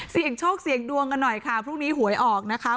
โชคเสี่ยงดวงกันหน่อยค่ะพรุ่งนี้หวยออกนะคะ